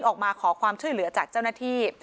ออกมาขอความช่วยเหลือจากเจ้าหน้าที่